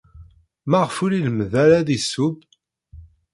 Maɣef ur ilemmed ara ad yesseww?